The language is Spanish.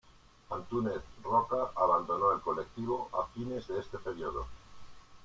Antúnez Roca abandonó el colectivo a fines de este periodo.